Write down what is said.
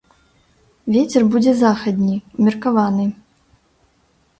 Вецер будзе заходні, умеркаваны.